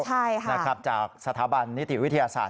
ใช่ค่ะจากสถาบันนิธีวิทยาศาสตร์